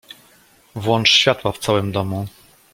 Włącz światła w całym domu.